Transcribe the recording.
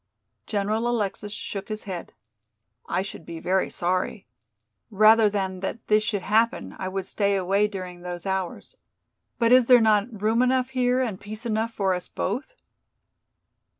General Alexis shook his head. "I should be very sorry. Rather than that this should happen I would stay away during those hours. But is there not room enough here and peace enough for us both?"